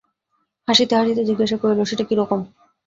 হাসিতে হাসিতে জিজ্ঞাসা করিল, সেটা কিরকম?